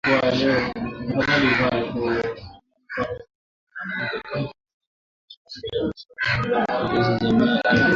Ana mikakati ya kustaajabisha ya kuiendeleza jamii yake